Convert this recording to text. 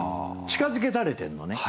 近づけられてるのね。